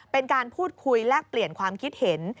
เป็นการพูดคุยแลกเปลี่ยนความคิดเห็น